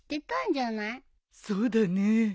そうだね。